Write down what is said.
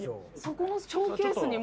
そこのショーケースに。